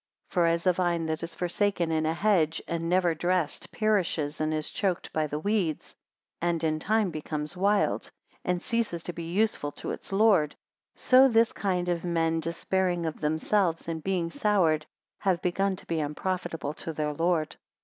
222 For as a vine that is forsaken in a hedge, and never dressed, perishes and is choked by the weeds, and in time becomes wild, and ceases to be useful to its lord; so this kind of men despairing of themselves, and being soured, have begun to be unprofitable to their Lord.